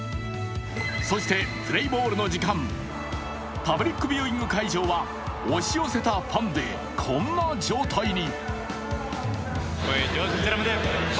そしてプレーボールの時間、パブリックビューイング会場は押し寄せたファンでこんな状態に。